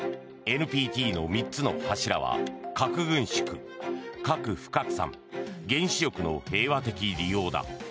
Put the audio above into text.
ＮＰＴの３つの柱は核軍縮、核不拡散原子力の平和的利用だ。